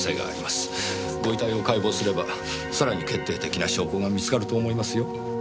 ご遺体を解剖すればさらに決定的な証拠が見つかると思いますよ。